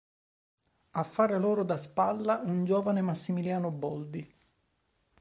A fare loro da spalla, un giovane Massimo Boldi.